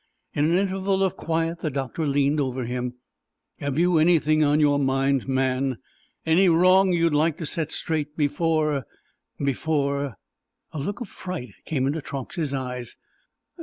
In an interval of quiet the doctor leaned over him. "Have you anything on your mind, man? Any wrong you'd like to set straight before—before—" A look of fright came into Truax's eyes.